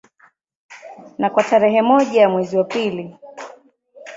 Na kwa tarehe moja mwezi wa pili